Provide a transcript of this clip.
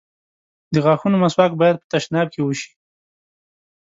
د غاښونو مسواک بايد په تشناب کې وشي.